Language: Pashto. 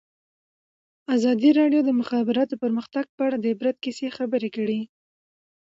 ازادي راډیو د د مخابراتو پرمختګ په اړه د عبرت کیسې خبر کړي.